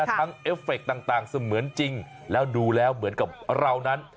เอฟเฟคต่างเสมือนจริงแล้วดูแล้วเหมือนกับเรานั้น